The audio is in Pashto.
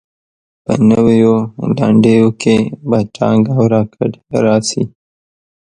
په نویو لنډیو کې به ټانک او راکټ راشي.